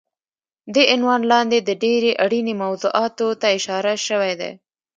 دې عنوان لاندې د ډېرې اړینې موضوعاتو ته اشاره شوی دی